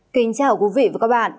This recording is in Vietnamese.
kính chào quý vị và các bạn